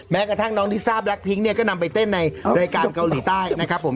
กระทั่งน้องลิซ่าแล็คพิ้งเนี่ยก็นำไปเต้นในรายการเกาหลีใต้นะครับผม